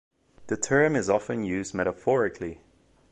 The term is often used metaphorically.